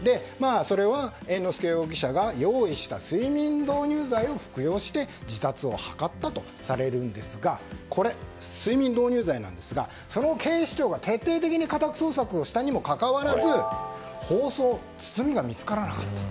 それは猿之助容疑者が用意した睡眠導入剤を服用して自殺を図ったとされるんですがこれ、睡眠導入剤なんですが警視庁が徹底的に家宅捜索をしたにもかかわらず包装、包みが見つからなかった。